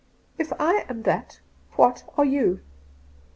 ' If I am that, what are you